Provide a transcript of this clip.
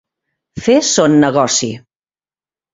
Fer son negoci.